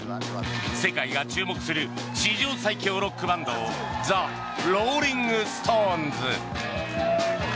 世界が注目する史上最強ロックバンドザ・ローリング・ストーンズ。